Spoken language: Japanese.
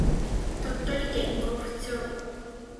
鳥取県江府町